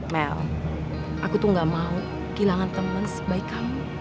mel aku tuh gak mau kehilangan teman sebaik kamu